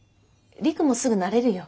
璃久もすぐ慣れるよ。